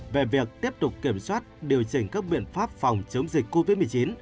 về việc tiếp tục kiểm soát điều chỉnh các biện pháp phòng chống dịch covid một mươi chín